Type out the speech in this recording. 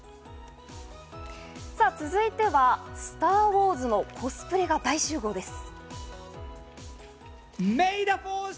さぁ続いてはスター・ウォーズのコスプレが大集合です。